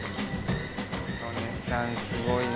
曽根さんすごいな。